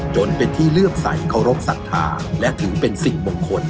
จนเป็นที่เลือกใสเคารพสัทธาและถือเป็นสิ่งมงคล